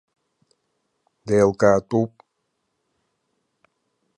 Деилкаатәуп!